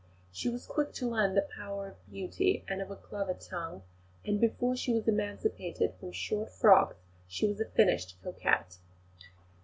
She was quick to learn the power of beauty and of a clever tongue; and before she was emancipated from short frocks she was a finished coquette.